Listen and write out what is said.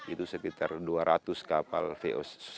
itu sekitar dua ratus kapal voc